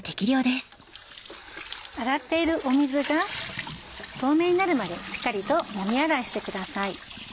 洗っている水が透明になるまでしっかりともみ洗いしてください。